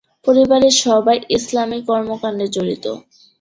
পরিবারের সবাই ইসলামি কর্মকাণ্ডে জড়িত।